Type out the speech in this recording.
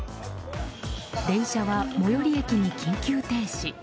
電車は最寄り駅に緊急停止。